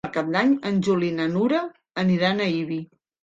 Per Cap d'Any en Juli i na Nura aniran a Ibi.